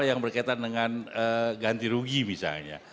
yang berkaitan dengan ganti rugi misalnya